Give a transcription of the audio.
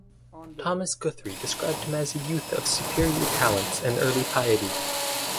Thomas Guthrie described him as "a youth of superior talents and early piety".